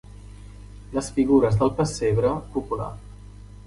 Les figures del pessebre popular.